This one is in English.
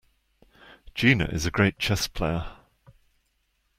Gina is a great chess player.